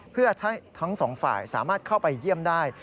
เพื่อทั้งสองฝ่ายสามารถเข้าไปเยี่ยมได้